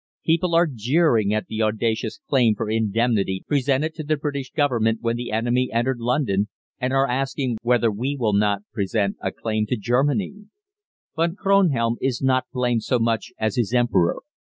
People are jeering at the audacious claim for indemnity presented to the British Government when the enemy entered London, and are asking whether we will not now present a claim to Germany. Von Kronhelm is not blamed so much as his Emperor.